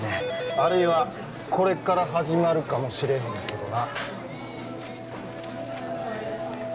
あるいはこれから始まるかもしれへんけどな